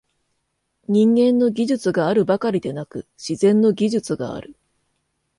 人間の技術があるばかりでなく、「自然の技術」がある。